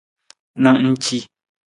Na ng ci.